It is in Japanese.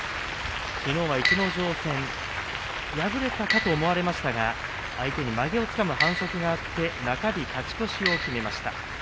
きのうは逸ノ城戦敗れたかと思われましたが相手にまげをつかむ反則があって中日、勝ち越しを決めました。